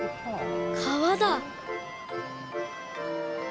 川だ。